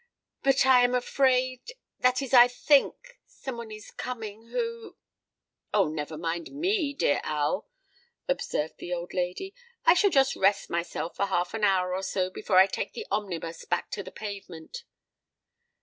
"But I am afraid—that is, I think—some one is coming, who——" "Oh! never mind me, dear Al," observed the old lady. "I shall just rest myself for half an hour or so, before I take the omnibus back to the Pavement."